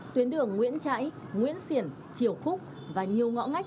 tuyến đường nguyễn trãi nguyễn xiển triều khúc và nhiều ngõ ngách